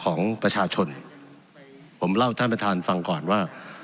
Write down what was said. ของประชาชนผมเล่าท่านประธานฟังก่อนว่า